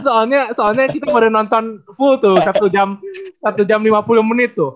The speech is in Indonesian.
soalnya kita baru nonton full tuh satu jam lima puluh menit tuh